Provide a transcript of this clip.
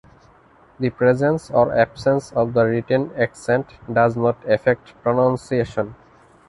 The presence or absence of the written accent does not affect pronunciation.